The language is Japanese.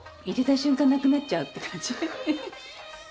入れた瞬間なくなっちゃうって感じ。